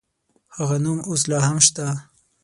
هغه نوم اوس لا هم شته.